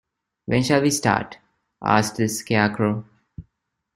When shall we start? asked the Scarecrow.